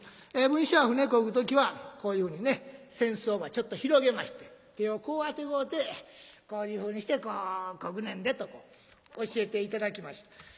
文枝師匠が船こぐ時はこういうふうに扇子をちょっと広げまして手をこうあてごうてこういうふうにしてこぐねんでと教えて頂きました。